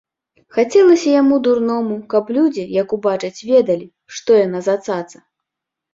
Хацелася яму, дурному, каб людзі, як убачаць, ведалі, што яна за цаца.